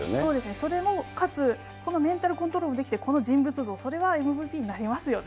それも、かつ、このメンタルコントロールできて、この人物像、それはＭＶＰになりますよね。